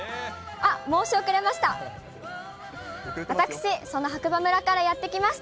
あっ、申し遅れました、